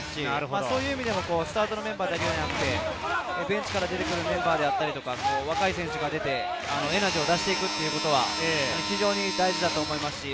そういう意味でもスタートのメンバーだけではなくて、ベンチから出てくるメンバーや、若い選手が出て、エナジーを出していくということが非常に大事だと思います。